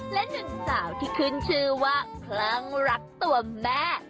และหนึ่งสาวที่ขึ้นชื่อว่าคลั่งรักตัวแม่